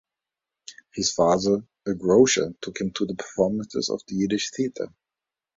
His father, a grocer, took him to performances of the Yiddish theater.